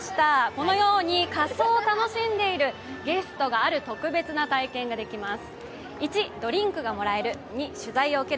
このように仮装を楽しんでいるゲストがある特別な体験ができます。